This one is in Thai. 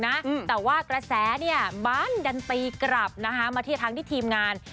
แต่ว่ากระแสบันดันตีมันก็มาทั้งทีมงาน